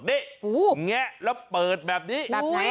แล้วเปิดแบบนี้